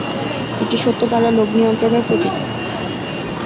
এটি সত্য দ্বারা লোভ নিয়ন্ত্রণের প্রতীক।